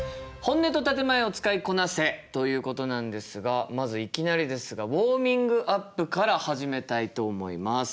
ということなんですがまずいきなりですがウォーミングアップから始めたいと思います。